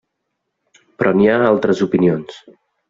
Però n'hi ha altres opinions.